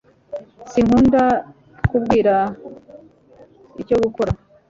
Sinkunda kubwirwa icyo gukora